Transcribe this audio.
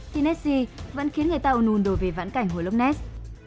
thì nessie vẫn khiến người ta âu nùn đổi về vãn cảnh hồ loch ness